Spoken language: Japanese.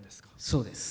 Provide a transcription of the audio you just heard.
そうです。